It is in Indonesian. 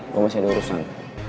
gue masih diurusan